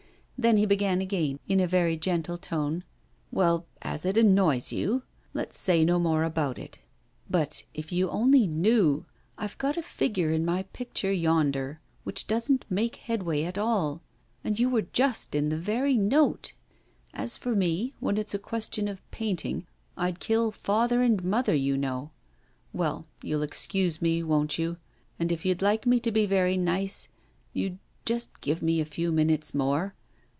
Then he began again, in a very gentle tone: 'Well, as it annoys you, let's say no more about it. But if you only knew. I've got a figure in my picture yonder which doesn't make head way at all, and you were just in the very note. As for me, when it's a question of painting, I'd kill father and mother, you know. Well, you'll excuse me, won't you? And if you'd like me to be very nice, you'd just give me a few minutes more.